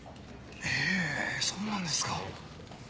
へえそうなんですか。